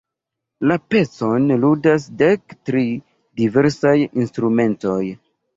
La pecon ludas dek tri diversaj instrumentoj.